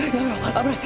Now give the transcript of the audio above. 危ない。